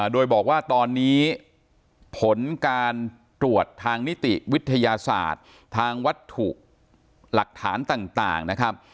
โดยบอกว่าตอนนี้ผลการตรวจทางนิติวิทยาศาสตร์ทางวัตถุหลักฐานต่างนะครับ